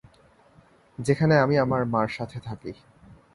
যেখানে আমি আমার মার সাথে থাকি।